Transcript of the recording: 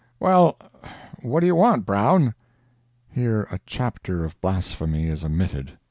"Well, what do you want, Brown?" [Here a chapter of blasphemy is omitted.